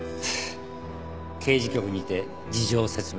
刑事局にて事情説明です。